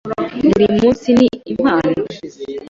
Buri munsi ni impano.